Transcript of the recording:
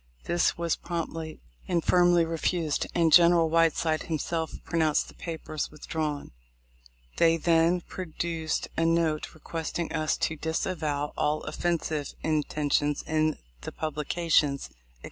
This was promptly and firmly refused, and general Whiteside himself pronounced the papers withdrawn. They then produced a note requesting us to "disavow" all offensive intentions in the publications, etc.